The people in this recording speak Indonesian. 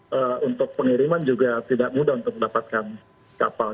tapi kapalnya juga untuk pengiriman juga tidak mudah untuk mendapatkan kapal